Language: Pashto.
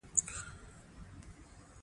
عمر فاروق په عدل او انصاف کي ضَرب مثل دی